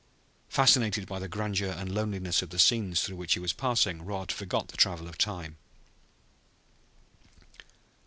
Fascinated by the grandeur and loneliness of the scenes through which he was passing Rod forgot the travel of time.